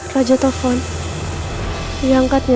raja tofon diangkatnya ya